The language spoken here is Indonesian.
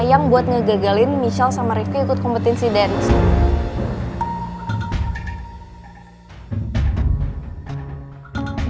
yang buat ngegagalin michelle sama ariefki ikut kompetensi dari michelle